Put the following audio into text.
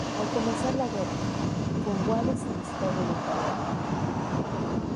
Al comenzar la guerra, Cornwallis se alistó voluntariamente.